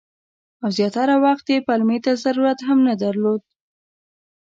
او زیاتره وخت یې پلمې ته ضرورت هم نه درلود.